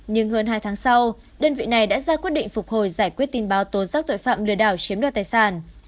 nhưng hơn hai tháng sau đơn vị này đã ra quyết định phục hồi giải quyết tin báo tố giác tội phạm lừa đảo chiếm đoạt tài sản